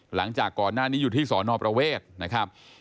หลังจากก่อนหน้านี้อยู่ที่สอนอประเวทนะครับ